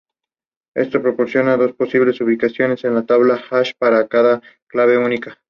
Esto proporciona dos posibles ubicaciones en la tabla hash para cada clave única.